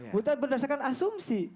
bukan berdasarkan asumsi